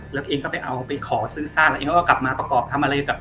เองก็ไปเอาไปขอซื้อซากเองก็กลับมาประกอบทำอะไร